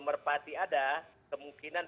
merpati ada kemungkinan